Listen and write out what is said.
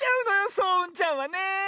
そううんちゃんはねえ。